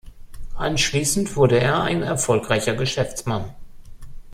Anschließend wurde er ein erfolgreicher Geschäftsmann.